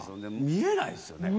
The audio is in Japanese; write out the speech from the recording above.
見えないですよね！